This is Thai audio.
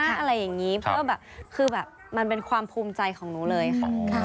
อะไรอย่างนี้เพื่อแบบคือแบบมันเป็นความภูมิใจของหนูเลยค่ะ